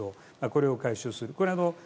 これを解消する。